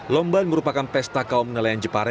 lomban merupakan pesta kaum nelayan jepara